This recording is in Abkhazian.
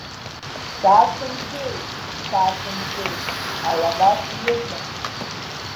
Са сымшәеит, са сымшәеит, алаба сҩызан.